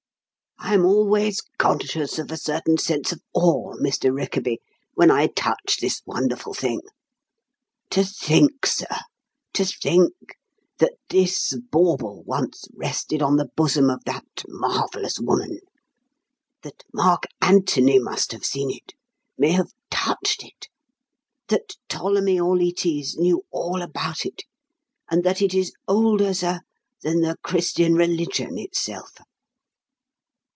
I am always conscious of a certain sense of awe, Mr. Rickaby, when I touch this wonderful thing. To think, sir, to think! that this bauble once rested on the bosom of that marvellous woman; that Mark Antony must have seen it, may have touched it; that Ptolemy Auletes knew all about it, and that it is older, sir, than the Christian religion itself!"